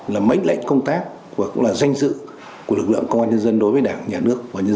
là mảnh lệnh công tác và cũng là danh dự của lực lượng công an nhân dân đối với đảng nhà nước